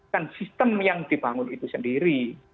kan sistem yang dibangun itu sendiri